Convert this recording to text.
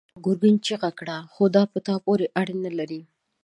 ګرګين چيغه کړه: خو دا په تا پورې اړه نه لري!